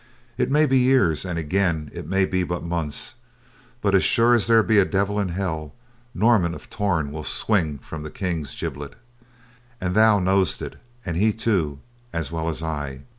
It may be years and again it may be but months, but as sure as there be a devil in hell, Norman of Torn will swing from a king's gibbet. And thou knowst it, and he too, as well as I.